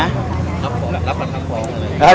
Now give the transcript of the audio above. รับประทักฟอง